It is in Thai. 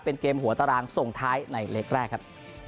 เป็นเกมหัวตารางส่งท้ายในเล็กแรกครับ